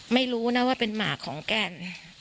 ไม่รู้นะว่าเป็นหมากของแก้ม